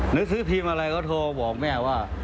หนังสือที่พิมพ์อะไรก็โถบอกแม่ว่า